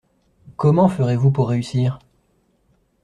Comment ferez-vous pour réussir ?